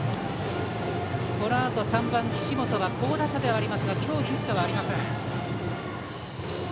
このあと３番、岸本は好打者ではありますが今日、ヒットはありません。